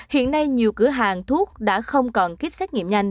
hiện nay nhiều cửa hàng thuốc đã không còn kích xét nghiệm nhanh